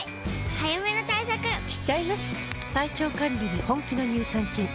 早めの対策しちゃいます。